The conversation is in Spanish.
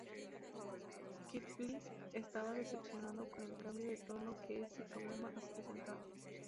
Keighley estaba decepcionado con el cambio de tono que este programa ha presentado.